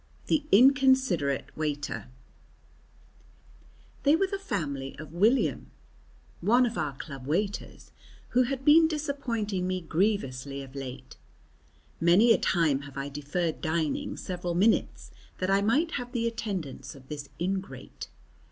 The Inconsiderate Waiter They were the family of William, one of our club waiters who had been disappointing me grievously of late. Many a time have I deferred dining several minutes that I might have the attendance of this ingrate.